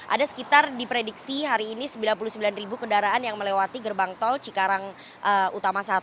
ada sekitar diprediksi hari ini sembilan puluh sembilan ribu kendaraan yang melewati gerbang tol cikarang utama satu